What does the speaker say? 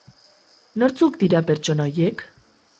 Nortzuk dira pertsona horiek?